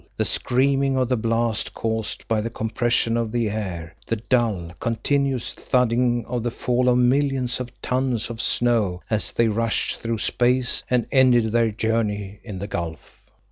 The screaming of the blast caused by the compression of the air, the dull, continuous thudding of the fall of millions of tons of snow as they rushed through space and ended their journey in the gulf.